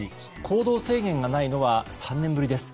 行動制限がないのは３年ぶりです。